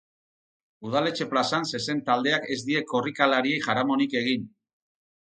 Udaletxe plazan zezen taldeak ez die korrikalariei jaramonik egin.